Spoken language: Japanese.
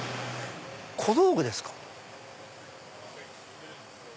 小道具ですか。